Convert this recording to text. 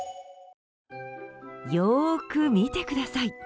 よく見てください。